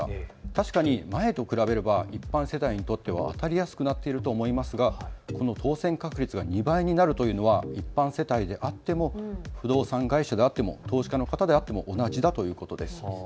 確かに前と比べれば一般世帯にとっては当たりやすくなっているとは思いますが当せん確率が２倍になるというのは一般世帯であっても不動産会社であっても投資家の方であっても同じだということです。